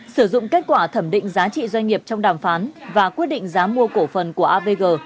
sử dụng kết quả thẩm định giá trị doanh nghiệp trong đàm phán và quyết định giá mua cổ phần của avg